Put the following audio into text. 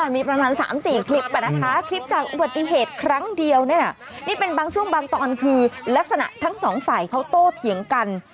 มีประมาณ๓๔คลิปนะคะคลิปจากอุบัติเหตุครั้งเดียวเนี่ยนะนี่เป็นบางช่วงบางตอนคือลักษณะทั้งสองฝ่ายเขาโตเถียงกัน